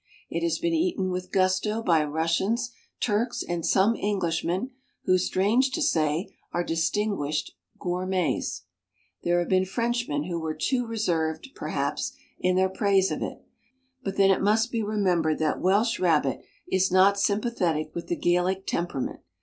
It has been eaten with gusto by Russians, Turks and some Englishmen who, strange to say, are distinguished gourmets. There have been Frenchmen who were too reserved, perhaps, in their praise of it, but then it must be remembered that Welsh rabbit is not sym pathetic with the Gallic temperament.